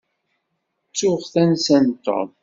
Ttuɣ tansa n Tom.